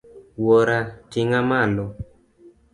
Wuora ting'a malo.